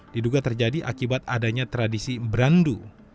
diduga terjadi akibat adanya tradisi brandu